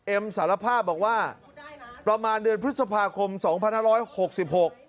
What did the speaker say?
สารภาพบอกว่าประมาณเดือนพฤษภาคมสองพันห้าร้อยหกสิบหก